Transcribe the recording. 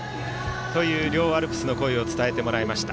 両アルプスの声を伝えてもらいました。